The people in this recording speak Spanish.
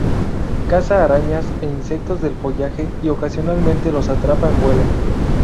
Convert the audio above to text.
Caza arañas e insectos del follaje y ocasionalmente los atrapa en vuelo.